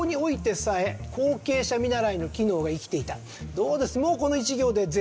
どうです？